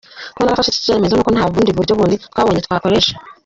"Kuba narafashe iki cyemezo, nuko nta bundi buryo bundi twabonye twakoresha.